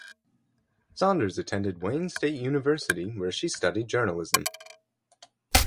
Saunders attended Wayne State University where she studied journalism.